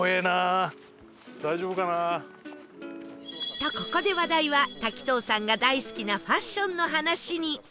とここで話題は滝藤さんが大好きなファッションの話に